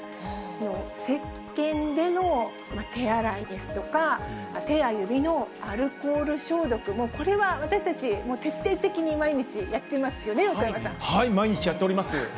せっけんでの手洗いですとか、手や指のアルコール消毒も、これは私たち、徹底的に毎日、やっていますよね、はい、毎日やっております。